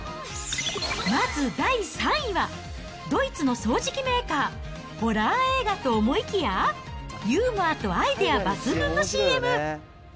まず第３位は、ドイツの掃除機メーカー、ホラー映画と思いきや、ユーモアとアイデア抜群のＣＭ。